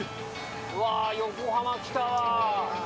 うわー、横浜、来たわ。